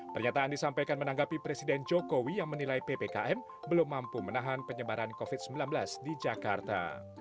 pernyataan disampaikan menanggapi presiden jokowi yang menilai ppkm belum mampu menahan penyebaran covid sembilan belas di jakarta